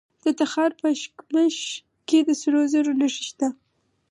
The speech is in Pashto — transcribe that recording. د تخار په اشکمش کې د سرو زرو نښې شته.